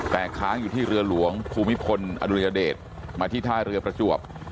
แต่ค้างอยู่ที่เรือหลวงภูมิพลอดุญเดชมาที่ท่าเรือประจวบ